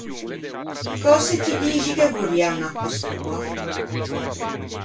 Cöse ti dixi che vorrian à quest’oa?